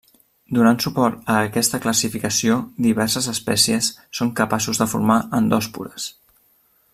Donant suport a aquesta classificació, diverses espècies són capaços de formar endòspores.